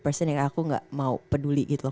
person yang aku gak mau peduli gitu